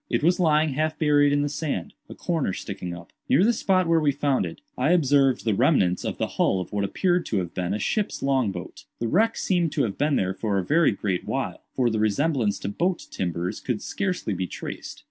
It was lying half buried in the sand, a corner sticking up. Near the spot where we found it, I observed the remnants of the hull of what appeared to have been a ship's long boat. The wreck seemed to have been there for a very great while; for the resemblance to boat timbers could scarcely be traced.